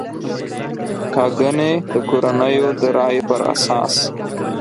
ټاګنې د کورنیو د رایې پر اساس